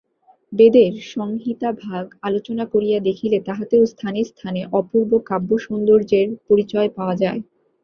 বেদের সংহিতাভাগ আলোচনা করিয়া দেখিলে তাহাতেও স্থানে স্থানে অপূর্ব কাব্য-সৌন্দর্যের পরিচয় পাওয়া যায়।